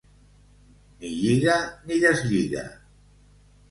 Ni lliga ni deslliga.